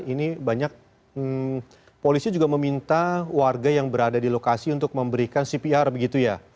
ini banyak polisi juga meminta warga yang berada di lokasi untuk memberikan cpr begitu ya